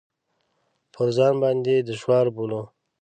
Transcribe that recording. پر ځان باندې دشوار بولو.